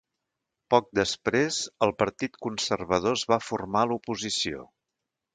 Poc després, el Partit Conservador es va formar a l'oposició.